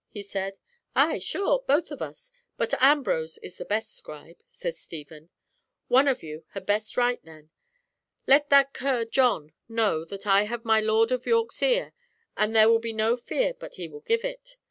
he said. "Ay, sure, both of us; but Ambrose is the best scribe," said Stephen. "One of you had best write then. Let that cur John know that I have my Lord of York's ear, and there will be no fear but he will give it.